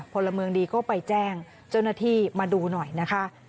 พลเมืองดีก็ไปแจ้งเจ้าหน้าที่มาดูหน่อยนะคะ